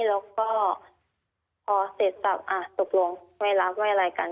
แล้วก็พอเสร็จสับอ่ะตกลงไม่รับไม่อะไรกัน